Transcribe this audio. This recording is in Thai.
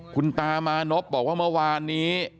คุณตามานพบอกว่าเมื่อวานนี้